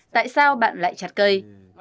tại sao bạn lại chặt cây